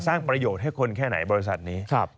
สร้างประโยชน์ให้คนแค่ไหนบริษัทนี้